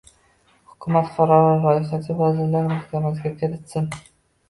Hukumat qarori loyihasini Vazirlar Mahkamasiga kiritsin.